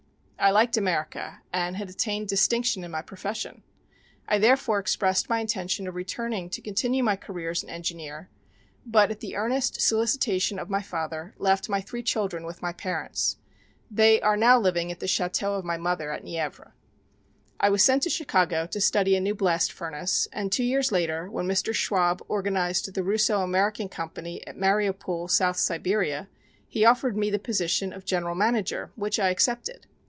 I liked America and had attained distinction in my profession. I therefore expressed my intention of returning to continue my career as an engineer, but at the earnest solicitation of my father, left my three children with my parents. They are now living at the château of my mother at Nievre. "I was sent to Chicago to study a new blast furnace, and two years later, when Mr. Schwab organized the Russo American Company at Mariopool, South Siberia, he offered me the position of general manager, which I accepted.